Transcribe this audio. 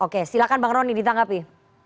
oke silahkan bang roni ditanggapi